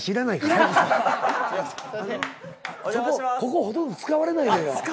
ここほとんど使われないのよ。